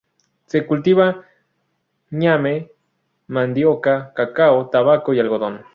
Se cultiva ñame, mandioca, cacao, tabaco y algodón.